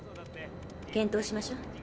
検討しましょう。